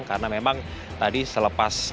karena memang tadi selepas